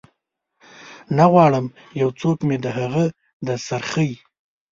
نه غواړم یو څوک مې د هغه د سرخۍ